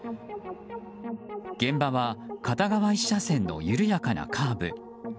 現場は片側１車線の緩やかなカーブ。